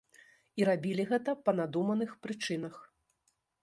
І рабілі гэта па надуманых прычынах.